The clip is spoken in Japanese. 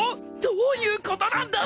どういう事なんだ！